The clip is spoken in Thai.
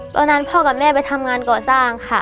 พ่อกับแม่ไปทำงานก่อสร้างค่ะ